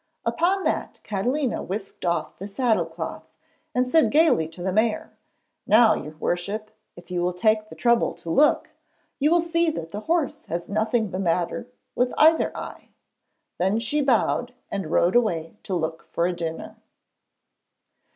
Upon that Catalina whisked off the saddle cloth, and said gaily to the mayor: 'Now, your worship, if you will take the trouble to look, you will see that the horse has nothing the matter with either eye!' Then she bowed and rode away to look for a dinner.